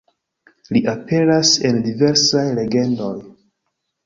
Li aperas en diversaj legendoj.